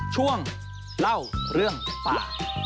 ช่วงเล่าเรื่องป่า